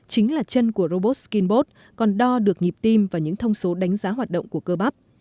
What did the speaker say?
chính là chân của robot kinbot còn đo được nhịp tim và những thông số đánh giá hoạt động của cơ bắp